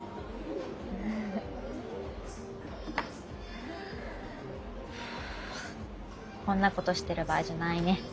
こんなことしてる場合じゃないね。